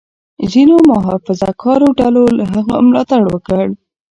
ځینو محافظه کارو ډلو له هغه ملاتړ وکړ.